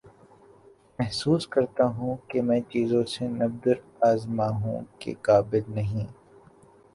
محسوس کرتا ہوں کہ میں چیزوں سے نبرد آزما ہونے کے قابل نہی